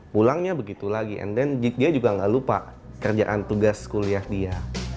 pulangnya begitu lagi and then dia juga gak lupa kerjaan tugas kuliah dia